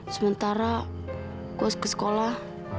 sementara gue ke sekolah